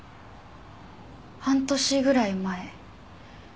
半年ぐらい前。